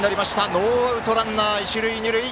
ノーアウト、ランナー、一塁二塁。